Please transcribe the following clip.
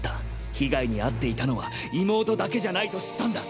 被害に遭っていたのは妹だけじゃないと知ったんだ！